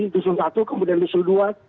dusun satu kemudian dusun dua